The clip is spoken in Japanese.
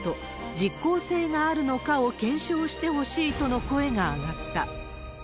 実効性があるのかを検証してほしいとの声が上がった。